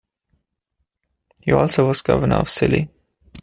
He also was Governor of Scilly.